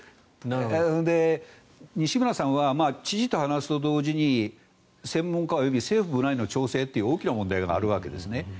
それで、西村さんは知事と話すと同時に専門家及び政府内の調整という大きな問題があるわけですね。